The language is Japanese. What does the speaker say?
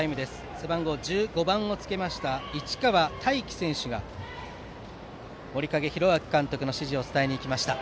背番号１５番をつけました市川大義選手が森影監督の指示を伝えに行きました。